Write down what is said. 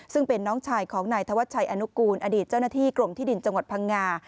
ซึ่งเป็นน้องชายของนายธวัชชัยอนุกูลอดีตเจ้าหน้าที่กรมที่ดินจังหวัดพังงา